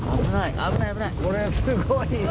これすごいな。